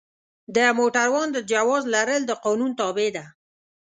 د موټروان د جواز لرل د قانون تابع ده.